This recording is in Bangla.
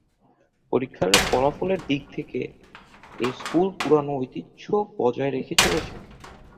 পরীক্ষার ফলাফলের দিক থেকে এ স্কুল পুরানো ঐতিহ্য বজায় রেখে চলেছে।